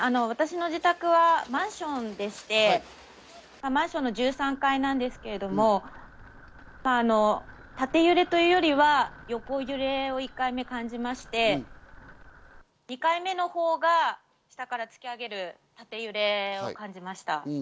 私の自宅はマンションでして、マンションの１３階なんですけど、縦揺れというよりは横揺れを１回目、感じまして、２回目のほうが下から突き上げる縦揺れを感じました。